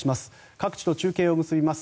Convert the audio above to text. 各地と中継を結びます。